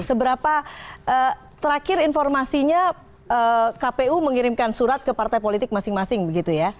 seberapa terakhir informasinya kpu mengirimkan surat ke partai politik masing masing begitu ya